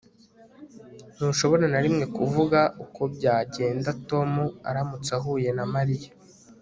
Ntushobora na rimwe kuvuga uko byagenda Tom aramutse ahuye na Mariya